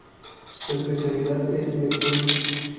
Su especialidad es el sprint.